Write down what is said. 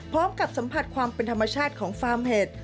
สัมผัสความเป็นธรรมชาติของฟาร์มเห็ด